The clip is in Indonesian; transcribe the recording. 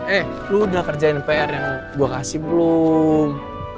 eh lu udah kerjain pr yang gue kasih belum